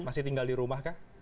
masih tinggal di rumah kah